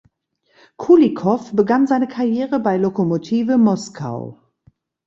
Kulikow begann seine Karriere bei Lokomotive Moskau.